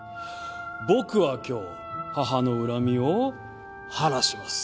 「僕は今日母の恨みを晴らします」